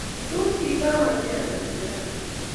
tos katamachei ata ngecherani